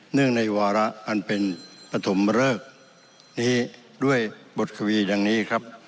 เนื่องในวาระอันเป็นปฐมเลิกด้วยบทกวีอย่างนี้ครับ